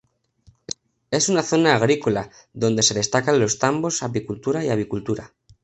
Es una zona agrícola, donde se destacan los tambos, apicultura y avicultura.